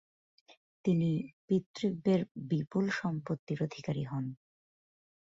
তিনি পিতৃব্যের বিপুল সম্পত্তির অধিকারী হন।